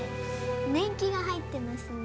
年季が入ってますね。